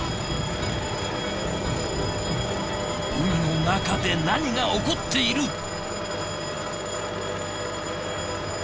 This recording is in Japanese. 海の中で何が起こっている？